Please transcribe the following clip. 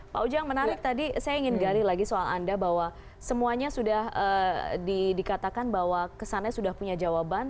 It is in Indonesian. pak ujang menarik tadi saya ingin gari lagi soal anda bahwa semuanya sudah dikatakan bahwa kesannya sudah punya jawaban